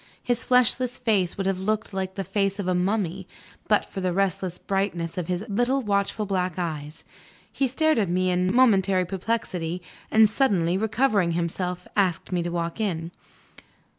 His fleshless face would have looked like the face of a mummy, but for the restless brightness of his little watchful black eyes. He stared at me in momentary perplexity, and, suddenly recovering himself, asked me to walk in.